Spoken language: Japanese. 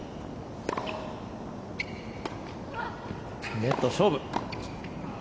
ネット、勝負！